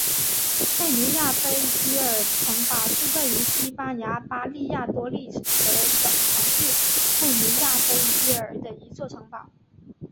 佩尼亚菲耶尔城堡是位于西班牙巴利亚多利德省城市佩尼亚菲耶尔的一座城堡。